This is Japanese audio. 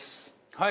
はい。